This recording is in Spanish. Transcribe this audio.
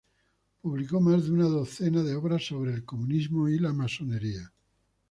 Publicó más de una docena de obras sobre el comunismo y masonería.